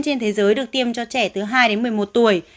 trên thế giới được tiêm cho trẻ từ hai đến một mươi một tuổi